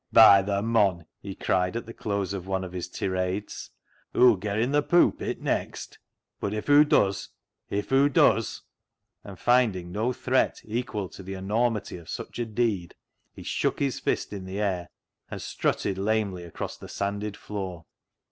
" By th' mon," he cried at the close of one of his tirades, " Hoo'll ger i' th' poopit next ? Bud '♦ BULLET " PIE 20I if hoo does ! If hoo does !" And finding no threat equal to the enormity of such a deed, he shook his fist in the air, and strutted lamely across the sanded floor.